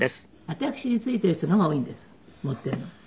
私についている人のが多いんです持っているのって。